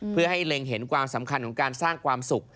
เพื่อให้เล็งเห็นความสำคัญของการสร้างความสุข